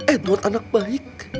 edward anak baik